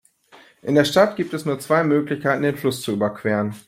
In der Stadt gibt es nur zwei Möglichkeiten, den Fluss zu überqueren.